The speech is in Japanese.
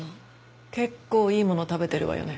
結構いいもの食べてるわよね。